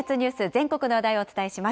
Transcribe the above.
全国の話題をお伝えします。